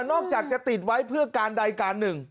นอกจากจะติดไว้เพื่อการใดการหนึ่ง